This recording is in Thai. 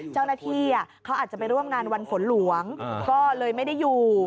เจ้าหน้าที่เขาอาจจะไปร่วมงานวันฝนหลวงก็เลยไม่ได้อยู่